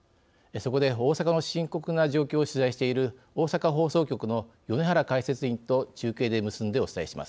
そこで大阪の深刻な状況を取材している大阪放送局の米原解説委員と中継で結んでお伝えします。